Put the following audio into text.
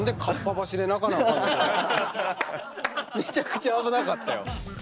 めちゃくちゃ危なかったよ。